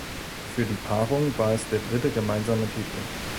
Für die Paarung war es der dritte gemeinsame Titel.